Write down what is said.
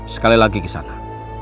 sekali lagi ke sana